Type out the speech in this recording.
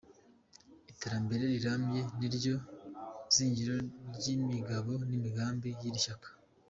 Iterambere rirambye niryo zingiro ry’imigabo n’imigambi y’iri shyaka.